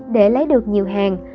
để lấy được nhiều hàng